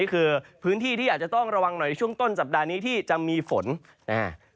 คือพื้นที่ที่อาจจะต้องระวังหน่อยในช่วงต้นสัปดาห์นี้ที่จะมีฝนนะฮะ